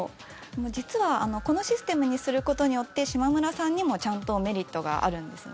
実はこのシステムにすることによってしまむらさんにも、ちゃんとメリットがあるんですね。